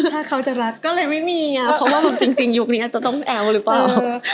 ถ้าเขาจะรักก็เลยไม่มีไงเพราะว่าจริงยุคนี้อาจจะต้องแอ้วหรือเปล่า